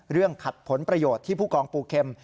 เรื่องขัดผลประโยชน์ที่ผู้กองปูเข็ม